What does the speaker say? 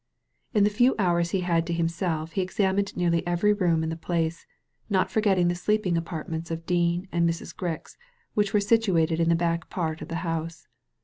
In the few hours he had to himself he examined nearly every room in the place, not forgetting the sleeping apartments of Dean and Mrs. Grix, which were situated in the back part of the house.